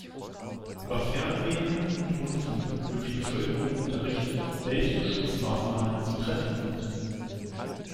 Über Fernsehen und Rundfunk wird die Bevölkerung unterrichtet, welche Schutzmaßnahmen zu treffen sind.